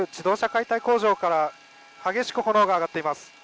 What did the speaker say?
解体工場から激しく炎が上がっています。